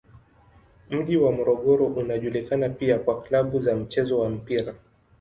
Mji wa Morogoro unajulikana pia kwa klabu za mchezo wa mpira.